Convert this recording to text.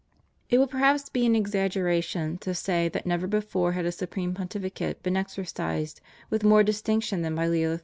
PREFACE. 5 It would perhaps be an exaggeration to say that never before had a Supreme Pontificate been exercised with more distinction than by Leo XIII.